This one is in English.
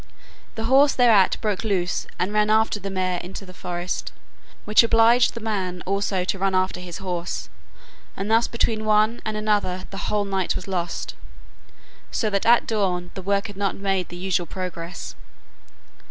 The horse thereat broke loose and ran after the mare into the forest, which obliged the man also to run after his horse, and thus between one and another the whole night was lost, so that at dawn the work had not made the usual progress.